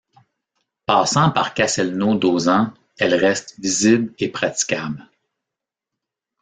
Passant par Castelnau d'Auzan, elle reste visible et pratiquable.